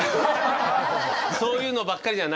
そういうのばっかりじゃないです。